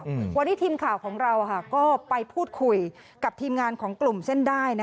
วันนี้ทีมข่าวของเราก็ไปพูดคุยกับทีมงานของกลุ่มเส้นได้